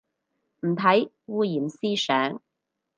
唔睇，污染思想